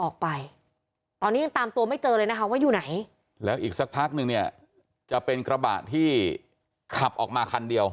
กู้ชีพกู้ไผ่นี่ตามกันมาเลยมารับออกไป